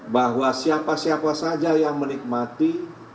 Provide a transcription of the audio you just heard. bahwa siapa siapa saja yang menikmati